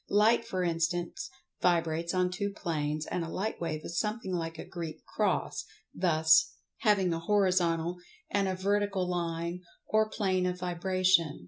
Light for instance, vibrates on two planes, and a light wave is something like a Greek cross, thus (|), having a horizontal and a vertical line, or plane of vibration.